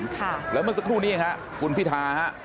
ค่ะแล้วเมื่อสักครู่นี้เองฮะคุณพิธาฮะ